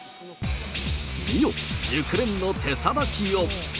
見よ、熟練の手さばきを。